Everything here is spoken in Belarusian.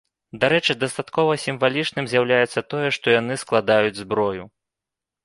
Дарэчы, дастаткова сімвалічным з'яўляецца тое, што яны складаюць зброю.